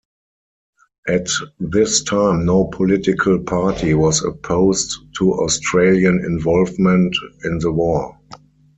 At this time no political party was opposed to Australian involvement in the war.